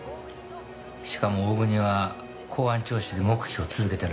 しかも大國は公安聴取で黙秘を続けてるらしい。